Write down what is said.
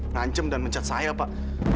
ngancem dan mencat saya pak